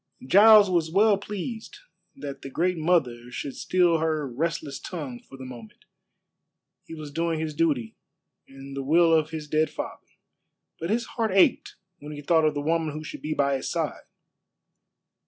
Giles was well pleased that the Great Mother should still her restless tongue for the moment. He was doing his duty and the will of his dead father, but his heart ached when he thought of the woman who should be by his side.